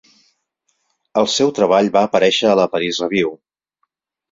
El seu treball va aparèixer a la "Paris Review".